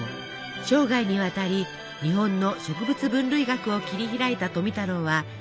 生涯にわたり日本の植物分類学を切り開いた富太郎は大の甘党でした。